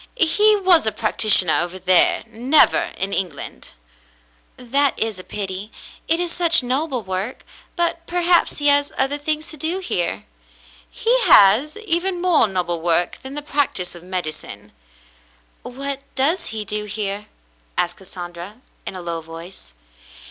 "He was a practitioner over there — never in England." "That is a pity; it is such noble work. But perhaps he has other things to do here." "He has — even more noble work than the practice of medicine." "What does he do here?" asked Cassandra, in a low voice.